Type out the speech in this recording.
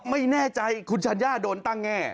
ไม่แน่ใจคุณชัญญาโดนตั้งแง่